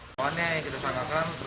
siapa yang alam masuk ke kota alona